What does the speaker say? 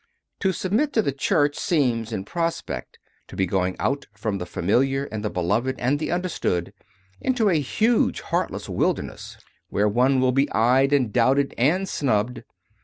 To submit to the Church 90 CONFESSIONS OF A CONVERT seems, in prospect, to be going out from the familiar and the beloved and the understood into a huge, heartless wilderness, where one will be eyed and doubted and snubbed.